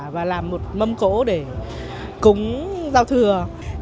và làm một mâm cỗ để cúng rau thừa